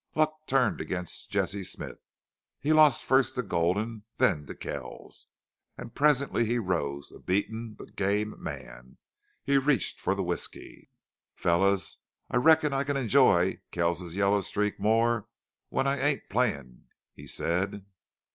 Luck turned against Jesse Smith. He lost first to Gulden, then to Kells, and presently he rose, a beaten, but game man. He reached for the whisky. "Fellers, I reckon I can enjoy Kells's yellow streak more when I ain't playin'," he said.